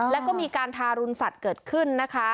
แล้วก็มีการทารุณสัตว์เกิดขึ้นนะคะ